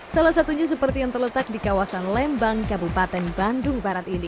salah satunya seperti yang terletak di kawasan lembang kabupaten bandung barat ini